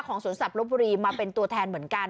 สวนสัตวลบบุรีมาเป็นตัวแทนเหมือนกัน